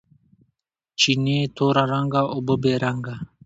چینې تور رنګه، اوبه بې رنګه